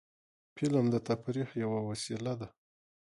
فلم د تفریح یوه وسیله ده